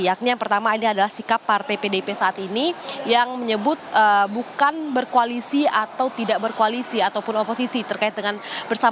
yakni yang pertama ini adalah sikap partai pdip saat ini yang menyebut bukan berkoalisi atau tidak berkoalisi ataupun oposisi terkait dengan bersama